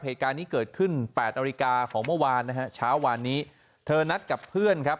เหตุการณ์นี้เกิดขึ้นแปดนาฬิกาของเมื่อวานนะฮะเช้าวานนี้เธอนัดกับเพื่อนครับ